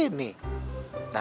ternyata nyusulin kamu kesini